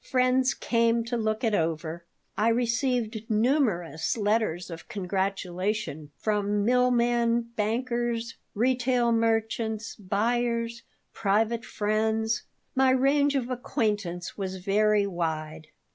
Friends came to look it over. I received numerous letters of congratulation, from mill men, bankers, retail merchants, buyers, private friends. My range of acquaintance was very wide.